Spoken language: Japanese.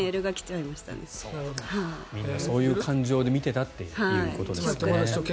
みんなそういう感情で見てたということですね。